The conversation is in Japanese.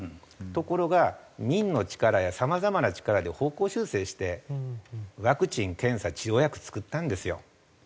ところが民の力やさまざまな力で方向修正してワクチン検査治療薬作ったんですよ。